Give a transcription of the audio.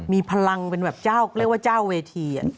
มีพลังเป็นแบบเจ้าเรียกว่าเจ้าเวที